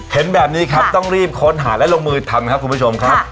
เห็นแบบนี้ครับต้องรีบค้นหาและลงมือทำครับคุณผู้ชมครับ